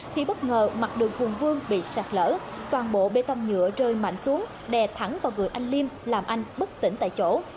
thì bất ngờ mặt đường hùng vương bị sạc lỡ toàn bộ bê tông nhựa rơi mạnh xuống đè thẳng vào người anh liêm làm anh bất tỉnh tại chỗ